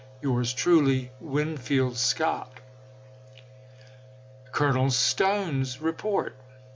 Yours truly, Winfield Scott. ms. [Colonel Stone's Report.